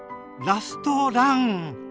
ラストラン！